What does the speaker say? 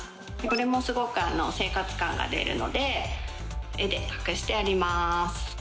これもすごく生活感が出るので絵で隠してあります。